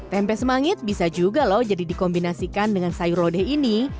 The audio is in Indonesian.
tempe semangit bisa juga loh jadi dikombinasikan dengan sayur lodeh ini